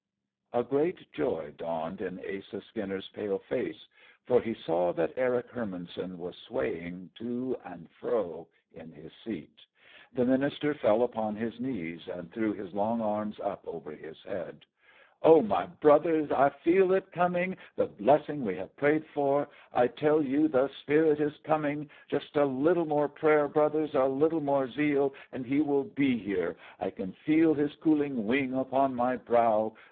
_" A great joy dawned in Asa Skinner's pale face, for he saw that Eric Hermannson was swaying to and fro in his seat. The minister fell upon his knees and threw his long arms up over his head. "O my brothers! I feel it coming, the blessing we have prayed for. I tell you the Spirit is coming! Just a little more prayer, brothers, a little more zeal, and he will be here. I can feel his cooling wing upon my brow.